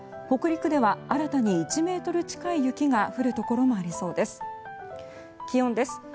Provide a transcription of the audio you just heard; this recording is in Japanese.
北陸では新たに１ｍ近い雪が降るところもありそうです。